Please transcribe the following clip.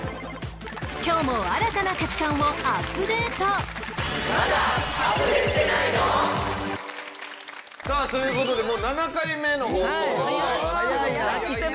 今日も新たな価値観をアップデートさあという事でもう７回目の放送でございますけども。